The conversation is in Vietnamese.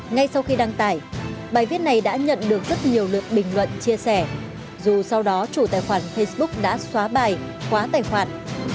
ngay sau khi đăng tải bài viết này đã nhận được rất nhiều lượt bình luận chia sẻ dù sau đó chủ tài khoản facebook đã xóa bài quá tài khoản